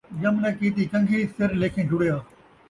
ڄم ناں کیتی کن٘گھی ، سر لیکھیں جُڑیا